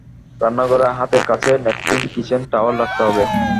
রান্নাঘরে হাতের কাছে ন্যাপকিন, কিচেন টাওয়াল রাখতে হবে।